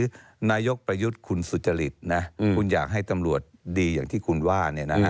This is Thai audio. คือนายกประยุทธ์คุณสุจริตนะคุณอยากให้ตำรวจดีอย่างที่คุณว่า